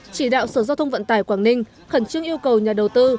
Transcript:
chỉ đạo sở giao thông vận tải quảng ninh khẩn trương yêu cầu nhà đầu tư